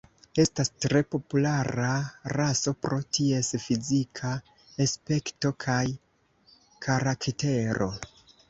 Estas tre populara raso pro ties fizika aspekto kaj karaktero.